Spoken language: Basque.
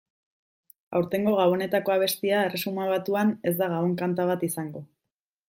Aurtengo Gabonetako abestia Erresuma Batuan ez da gabon-kanta bat izango.